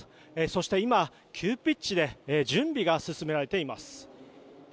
そして今、急ピッチで準備が進められています。